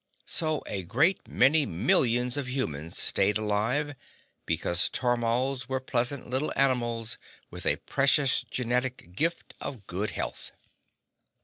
So a great many millions of humans stayed alive, because tormals were pleasant little animals with a precious genetic gift of good health.